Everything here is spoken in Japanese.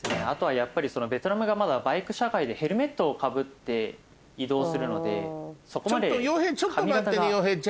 あとはやっぱりベトナムがまだバイク社会でヘルメットをかぶって移動するのでそこまで髪形が。